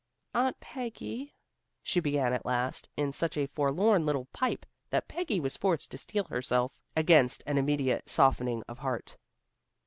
"Aunt Peggy," she began at last, in such a forlorn little pipe that Peggy was forced to steel herself against an immediate softening of heart.